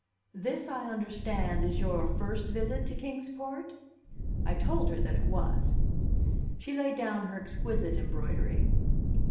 "This, I understand, is your first visit to Kings Port?" I told her that it was. She laid down her exquisite embroidery.